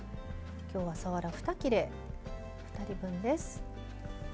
今日はさわら２切れ２人分です。